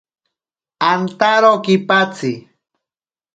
Antaro kipatsi.